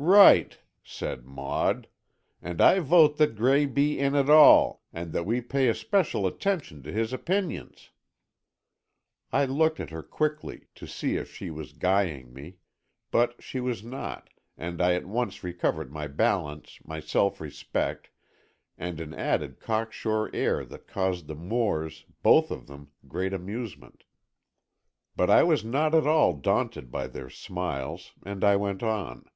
"Right!" said Maud, "and I vote that Gray be in it all, and that we pay especial attention to his opinions." I looked at her quickly, to see if she was guying me, but she was not, and I at once recovered my balance, my self respect and an added cocksure air that caused the Moores, both of them, great amusement. But I was not at all daunted by their smiles and I went on.